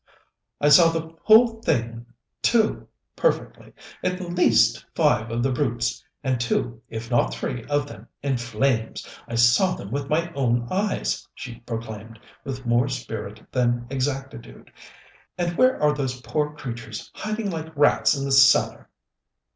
"I saw the whole thing too perfectly! At least five of the brutes, and two, if not three, of them in flames! I saw them with my own eyes!" she proclaimed, with more spirit than exactitude. "And where are those poor creatures hiding like rats in the cellar?"